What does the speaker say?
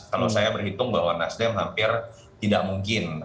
kalau saya berhitung bahwa nasdem hampir tidak mungkin